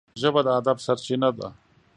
ژبه د ادب سرچینه ده